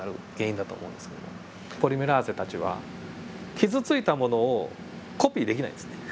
ポリメラーゼたちは傷ついたものをコピーできないんですね。